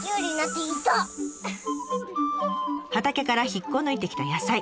畑から引っこ抜いてきた野菜